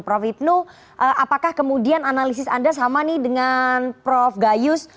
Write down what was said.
prof hipnu apakah kemudian analisis anda sama nih dengan prof gayus